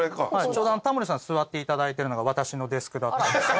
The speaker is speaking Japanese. ちょうどタモリさん座って頂いてるのが私のデスクだったりして。